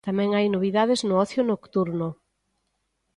Tamén hai novidades no ocio nocturno.